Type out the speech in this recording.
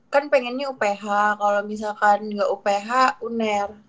kan pengennya uph kalo misalkan gak uph uner